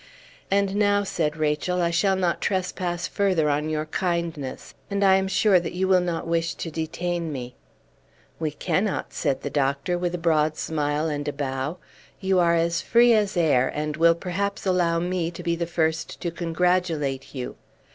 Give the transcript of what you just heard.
"And now," said Rachel, "I shall not trespass further on your kindness, and I am sure that you will not wish to detain me." "We cannot," said the doctor, with a broad smile and a bow; "you are as free as air, and will perhaps allow me to be the first to congratulate you.